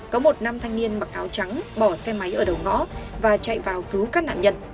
có một nam thanh niên mặc áo trắng bỏ xe máy ở đầu ngõ và chạy vào cứu các nạn nhân